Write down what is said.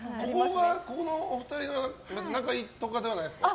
ここのお二人は仲良いとかではないですか？